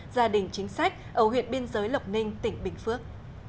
gia đình chính sách ở huyện biên giới lộc ninh tỉnh bình phước